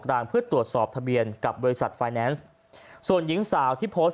รางเพื่อตรวจสอบทะเบียนกับบริษัทไฟแนนซ์ส่วนหญิงสาวที่โพสต์